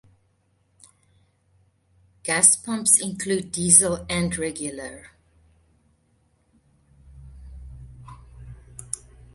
Gas pumps include diesel and regular.